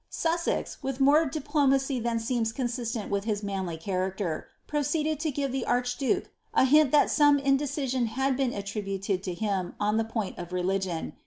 with more diplomacy than seems consistent with Ids manljr proceeded to give the archduke a hint that some iodecisioii ittribated to him on the point of religion.